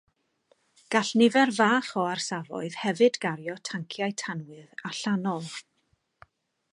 Gall nifer fach o orsafoedd hefyd gario tanciau tanwydd allanol.